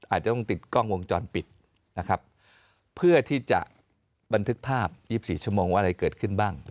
อาจจะต้องติดกล้องวงจรปิดนะครับเพื่อที่จะบันทึกภาพ๒๔ชั่วโมงว่าอะไรเกิดขึ้นบ้าง